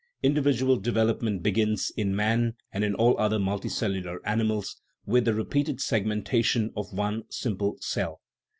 Individual development begins, in man and in all other multi cellular animals, with the repeated segmentation of one simple cell.